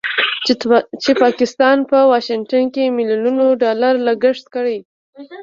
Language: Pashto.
چې پاکستان په واشنګټن کې مليونونو ډالر لګښت کړی